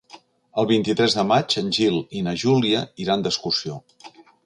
El vint-i-tres de maig en Gil i na Júlia iran d'excursió.